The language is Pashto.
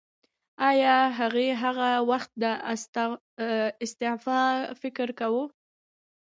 ایا هغې هغه وخت د استعفا فکر وکړ؟